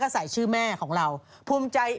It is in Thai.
ใส่ชื่อแม่ของเราภูมิใจ